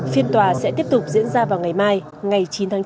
phiên tòa sẽ tiếp tục diễn ra vào ngày mai ngày chín tháng chín